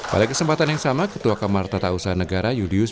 pada kesempatan yang sama ketua kamar tata usaha negara yudius